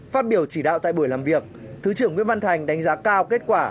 phát biểu chỉ đạo tại buổi làm việc thứ trưởng nguyễn văn thành đánh giá cao kết quả